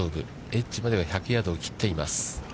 エッジまでは１００ヤードを切っています。